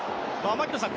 槙野さん